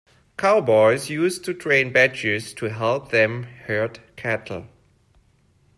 Cowboys used to train badgers to help them herd cattle.